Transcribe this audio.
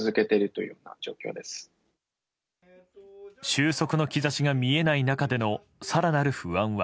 収束の兆しが見えない中での更なる不安は。